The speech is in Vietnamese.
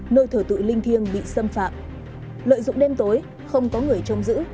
nơi thở tụi linh thiêng bị xâm phạm lợi dụng đêm tối không có người trông giữ